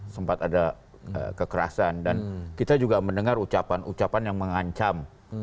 sempat ada kekerasan dan kita juga mendengar ucapan ucapan yang mengancam